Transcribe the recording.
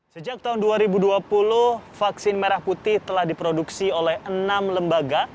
sejak tahun dua ribu dua puluh vaksin merah putih telah diproduksi oleh enam lembaga